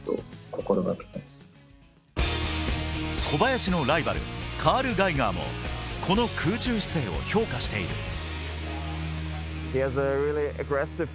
小林のライバル、カール・ガイガーもこの空中姿勢を評価している。